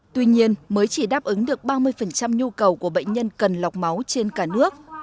tuy nhiên mới chỉ đáp ứng được ba mươi nhu cầu của bệnh nhân cần lọc máu trên cả nước